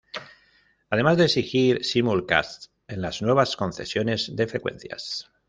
Además de exigir simulcast en las nuevas concesiones de frecuencias.